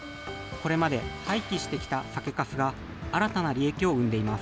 これまで廃棄してきた酒かすが、新たな利益を生んでいます。